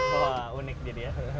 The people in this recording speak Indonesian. wah unik jadi ya